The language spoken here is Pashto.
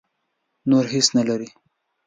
نور هېڅ نه لري.